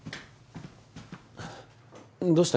どうした？